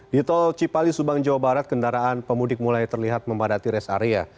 di tol cipali subang jawa barat kendaraan pemudik mulai terlihat membadati rest area